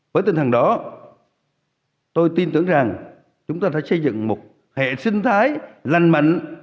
với tinh thần đó tôi tin tưởng rằng chúng ta phải xây dựng một hệ sinh thái lành mạnh